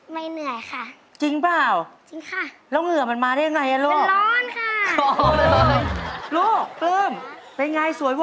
ให้จำให้แจ้งเขาให้เด็งเขาไว้